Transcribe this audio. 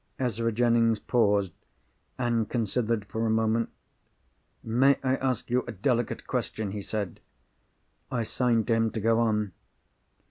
Ezra Jennings paused, and considered for a moment. "May I ask you a delicate question?" he said. I signed to him to go on.